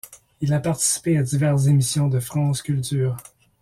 Il a participé à diverses émissions de France Culture.